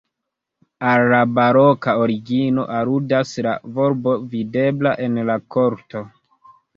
Al la baroka origino aludas la volbo videbla en la korto.